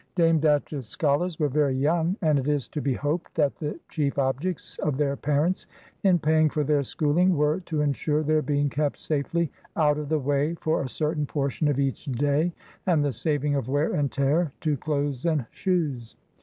Dame Datchett's scholars were very young, and it is to be hoped that the chief objects of their parents in paying for their schooling were to insure their being kept safely out of the way for a certain portion of each day, and the saving of wear and tear to clothes and shoes.